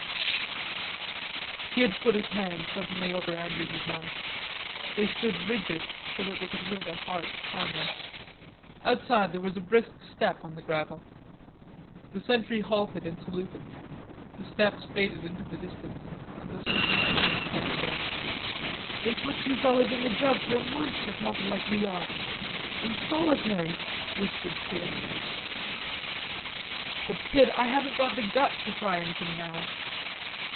"Sh... sh...." Kid put his hand suddenly over Andrews's mouth. They stood rigid, so that they could hear their hearts pounding. Outside there was a brisk step on the gravel. The sentry halted and saluted. The steps faded into the distance, and the sentry's humming began again. "They put two fellers in the jug for a month for talking like we are.... In solitary," whispered Kid. "But, Kid, I haven't got the guts to try anything now."